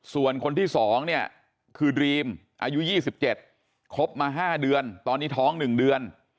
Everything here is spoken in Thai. ส่วนคนที่สองเนี่ยคือดรีมอายุยี่สิบเจ็ดคบมาห้าเดือนตอนนี้ท้องหนึ่งเดือน